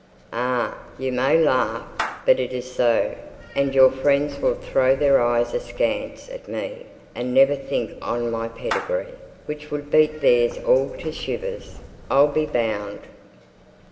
Ay, you may laugh, but it is so; and your friends will throw their eyes askance at me, and never think on my pedigree, which would beat theirs all to shivers, I'll be bound.